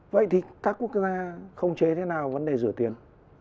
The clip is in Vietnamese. vậy thì các quốc gia nga không chế thế nào vấn đề rửa tiền